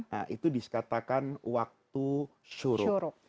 nah itu dikatakan waktu syuruk